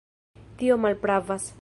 Tio malpravas.